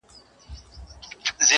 چي څيرلې يې سينې د غليمانو-